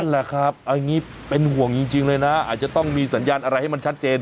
แหละครับเอาอย่างนี้เป็นห่วงจริงเลยนะอาจจะต้องมีสัญญาณอะไรให้มันชัดเจน